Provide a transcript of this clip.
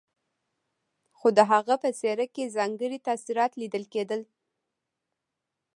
خو د هغه په څېره کې ځانګړي تاثرات ليدل کېدل.